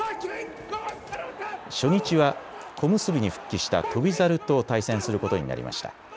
初日は小結に復帰した翔猿と対戦することになりました。